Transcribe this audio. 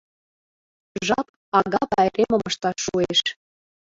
Жап ага пайремым ышташ шуэш.